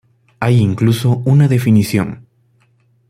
Hay incluso una definición.